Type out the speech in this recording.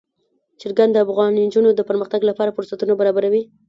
چرګان د افغان نجونو د پرمختګ لپاره فرصتونه برابروي.